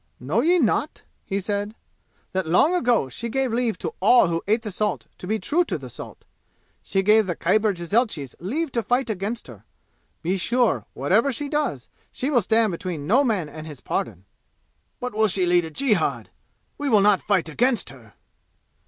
"Know ye not," he said, "that long ago she gave leave to all who ate the salt to be true to the salt? She gave the Khyber jezailchis leave to fight against her. Be sure, whatever she does, she will stand between no man and his pardon!" "But will she lead a jihad? We will not fight against her!"